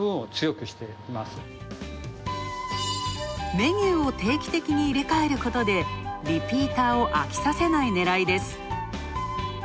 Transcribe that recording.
メニューを定期的に入れ替えることで、リピーターを飽きさせない狙いです。